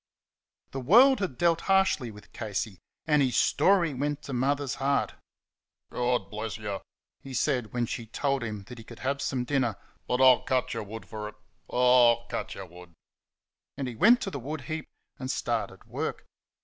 The world had dealt harshly with Casey, and his story went to Mother's heart. "God buless y'," he said when she told him he could have some dinner; "but I'll cut y' wood for it; oh, I'll cut y' wood!" And he went to the wood heap and started work.